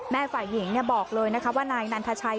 แม่ฝ่ายหญิงบอกเลยว่านายนันทชัย